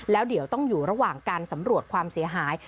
แล้วเดี๋ยวต้องอยู่ระหว่างการสำรวจความเสียหาย